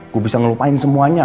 gue bisa ngelupain semuanya